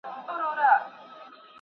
د مېوو استعمال روښنايي ده.